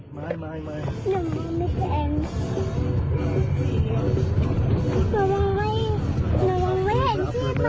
เฮ้ยทำไมอะ